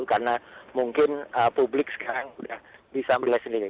karena mungkin publik sekarang sudah bisa menilai sendiri